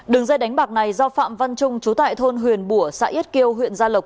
đường dây đánh bạc này do phạm văn trung chú tại thôn huyền bùa xã yết kiêu huyện gia lộc